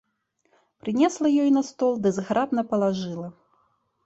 Прынесла ёй на стол ды зграбна палажыла.